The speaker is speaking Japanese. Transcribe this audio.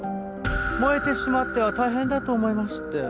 燃えてしまっては大変だと思いまして。